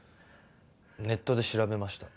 ネットで調べました。